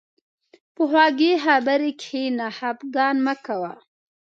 په خوږې خبرې کښېنه، خفه مه کوه.